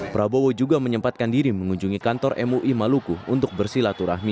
prabowo juga menyempatkan diri mengunjungi kantor mui maluku untuk bersilaturahmi